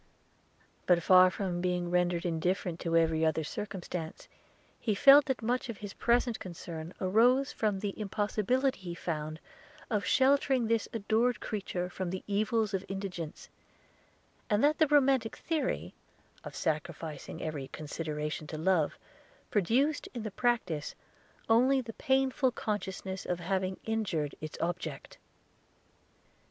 But, far from being rendered indifferent to every other circumstance, he felt that much of his present concern arose from the impossibility he found of sheltering this adored creature from the evils of indigence; and that the romantic theory, of sacrificing every consideration to love, produced, in the practice, only the painful consciousness of having injured its object.